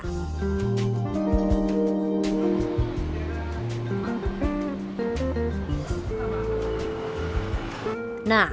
rabe kambing haji nasuh